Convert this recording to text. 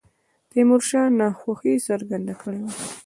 تیمور شاه ناخوښي څرګنده کړې وه.